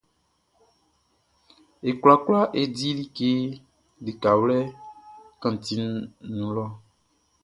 E kwlakwla e di like likawlɛ kantinʼn nun lɔ.